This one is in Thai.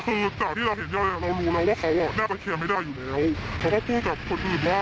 แต่คือจากที่เราเห็นเรารู้แล้วว่าเขาแน่ใกล้เคลียร์ไม่ได้อยู่แล้วเขาก็พูดกับคนอื่นว่า